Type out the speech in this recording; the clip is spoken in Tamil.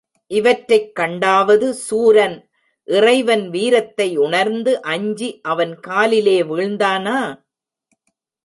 இவற்றைக் கண்டாவது சூரன், இறைவன் வீரத்தை உணர்ந்து அஞ்சி அவன் காலிலே வீழ்ந்தானா?